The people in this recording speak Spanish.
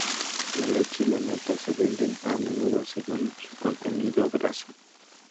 La leche y la nata se venden a menudo según su contenido graso.